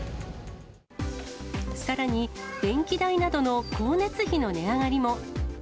さらに、電気代などの光熱費の値上がりも。